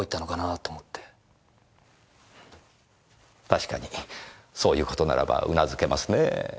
確かにそういう事ならば頷けますねぇ。